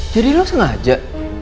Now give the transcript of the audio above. jadi lo sengaja